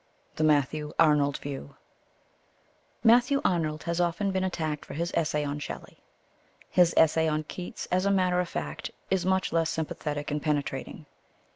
THE MATTHEW ARNOLD VIEW Matthew Arnold has often been attacked for his essay on Shelley. His essay on Keats, as a matter of fact, is much less sympathetic and penetrating.